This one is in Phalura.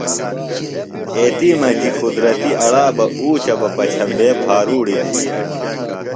ایتی مجیۡ قدرتیۡ اڑا بہ اُوچہ بہ پچھمبے بھاروڑیۡ دِتیۡ ہنی